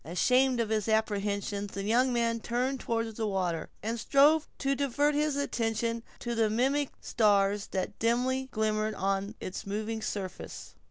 Ashamed of his apprehensions, the young man turned toward the water, and strove to divert his attention to the mimic stars that dimly glimmered on its moving surface.